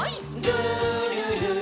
「るるる」